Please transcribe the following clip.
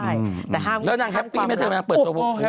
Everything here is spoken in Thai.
แต่ห้ามน้ำมีความรักโอ้โฮแฮปปี้แฮปปี้แฮปปี้แฮปปี้แฮปปี้แฮปปี้